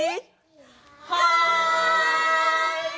はい！